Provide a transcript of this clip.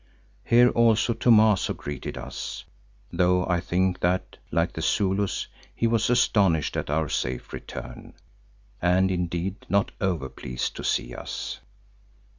Here also Thomaso greeted us, though I think that, like the Zulus, he was astonished at our safe return and indeed not over pleased to see us.